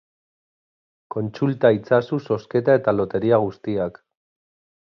Kontsulta itzazu zozketa eta loteria guztiak.